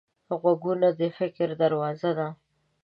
غوږونه د فکر دروازه ده